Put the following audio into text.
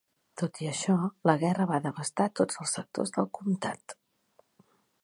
Tot i això, la guerra va devastar tots els sectors del comtat.